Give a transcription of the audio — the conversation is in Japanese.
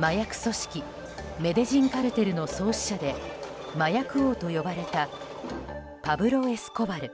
麻薬組織メデジン・カルテルの創始者で麻薬王と呼ばれたパブロ・エスコバル。